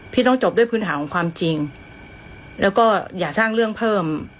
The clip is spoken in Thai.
พี่ต้องจบด้วยพื้นฐานของความจริงแล้วก็อย่าสร้างเรื่องเพิ่ม